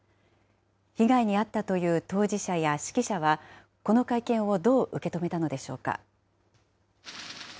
被害に遭ったという当事者や識者は、この会見をどう受け止めたのでしょうか。